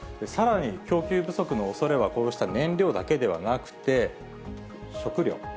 さらに、供給不足のおそれはこうした燃料だけではなくて、食料。